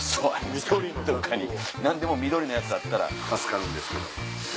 何でも緑のやつあったら助かるんですけど。